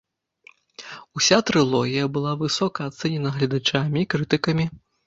Уся трылогія была высока ацэнена гледачамі і крытыкамі.